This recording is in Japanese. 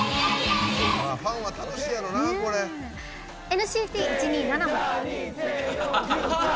ＮＣＴ１２７も。